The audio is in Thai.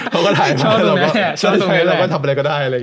เขาก็ถ่ายมาชอบสมัยเราก็ทำอะไรก็ได้